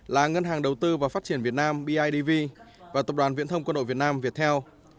là ngân hàng đầu tư và phát triển việt nam bidv và tập đoàn viễn thông quân đội việt nam viettel